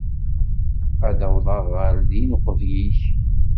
Ad awḍeɣ ɣer din uqbel-ik.